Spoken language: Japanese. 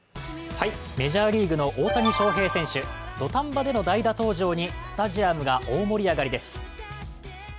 メジャーリーグの大谷翔平選手土壇場での代打登場にスタジアムが大盛り上がりです。